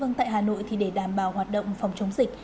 vâng tại hà nội thì để đảm bảo hoạt động phòng chống dịch